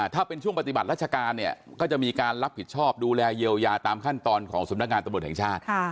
ถ้าเป็นช่วงปฏิบัติราชการเนี่ยก็จะมีการรับผิดชอบดูแลเยียวยาตามขั้นตอนของสำนักงานตำรวจแห่งชาติ